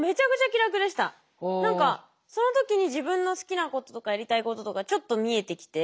いやもう何かその時に自分の好きなこととかやりたいこととかちょっと見えてきて。